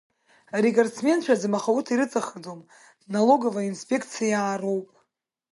Рекордсменцәаӡам, аха урҭ ирыҵахаӡом, нологоваиа инспеқциаа роуп.